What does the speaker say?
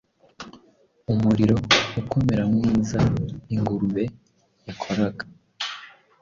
Umuriro ukomeramwiza ingurube yakoraga